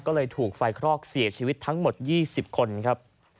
ก็เลยถูกไฟคลอกเสียชีวิตทั้งหมด๒๐คนครับ